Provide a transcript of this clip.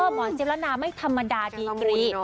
หมอเจี๊ยบแล้วนะไม่ธรรมดาดีกรี